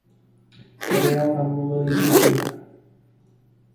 Seriál namluvil Jiří Wimmer.